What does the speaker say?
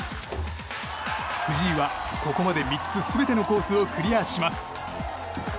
藤井は、ここまで３つ全てのコースをクリアします。